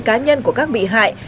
cá nhân của các bị hại